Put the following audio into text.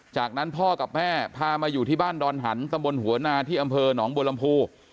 จากนั้นพ่อกับแม่พามาอยู่ที่บ้านดอนหันตำบลหัวนาที่อำเภอหนองบัวลำพู